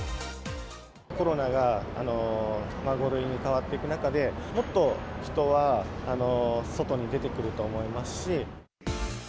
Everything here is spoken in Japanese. コロナが５類に変わっていく中で、もっと人は外に出てくると思いますし。